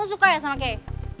kamu suka ya sama kei